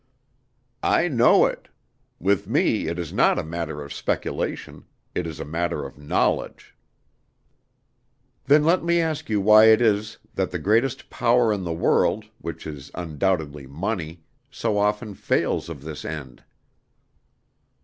"I know it. With me it is not a matter of speculation; it is a matter of knowledge." "Then let me ask you why it is that the greatest power in the world, which is undoubtedly money, so often fails of this end?"